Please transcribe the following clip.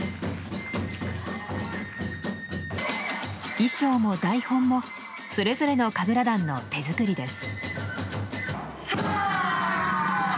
衣装も台本もそれぞれの神楽団の手作りです。